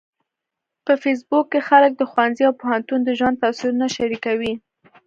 په فېسبوک کې خلک د ښوونځي او پوهنتون د ژوند تصویرونه شریکوي